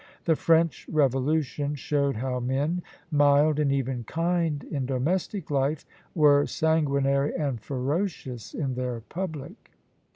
The French Revolution showed how men, mild and even kind in domestic life, were sanguinary and ferocious in their public.